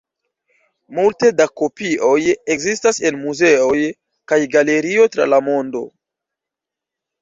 Multe da kopioj ekzistas en muzeoj kaj galerioj tra la mondo.